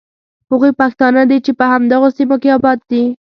هغوی پښتانه دي چې په همدغو سیمو کې آباد دي.